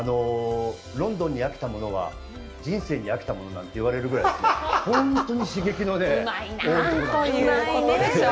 ロンドンに飽きたものは、人生に飽きたものなんて言われるぐらい本当に刺激の多いところなんですよ。